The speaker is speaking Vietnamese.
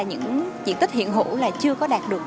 những diện tích hiện hữu là chưa có đạt được